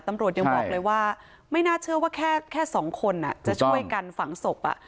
ตำรวจยังบอกเลยว่าไม่น่าเชื่อว่าแค่สองคนจะช่วยกันฝังศพ